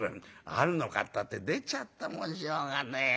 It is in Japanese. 「あんのかったって出ちゃったもんしょうがねえや。